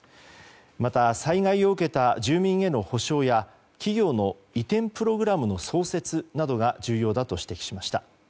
また災害を受けた住民への補償や企業の移転プログラムの創設などが重要だと指摘しました。